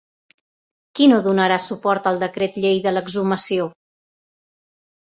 Qui no donarà suport al decret llei de l'exhumació?